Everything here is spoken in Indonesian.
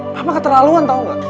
mama keterlaluan tau gak